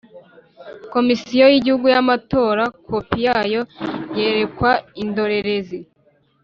Komisiyo y igihugu y amatora kopi yayo yerekwa indorerezi